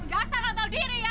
dasar kontrol diri ya